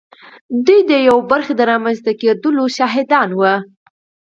دوی د یوې برخې د رامنځته کېدو شاهدان وو